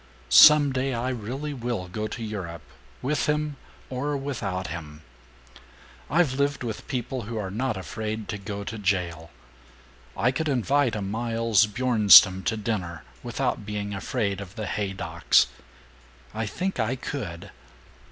Some day I really will go to Europe with him ... or without him. "I've lived with people who are not afraid to go to jail. I could invite a Miles Bjornstam to dinner without being afraid of the Haydocks ... I think I could.